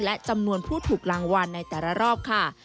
และจำนวนผู้ถูกรางวัลในแต่ละรอบค่ะ